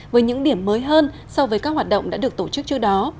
với những điểm mới hơn so với các hoạt động đã được tổ chức trước đó